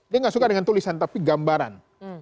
dia gak suka dengan tulisan tapi gambaran